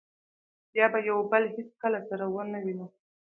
بیا به یو بل هېڅکله سره و نه وینو.